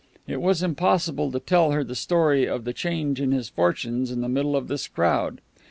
It was impossible to tell her the story of the change in his fortunes in the middle of this crowd.